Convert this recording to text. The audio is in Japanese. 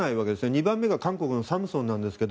２番目が韓国のサムスンですが。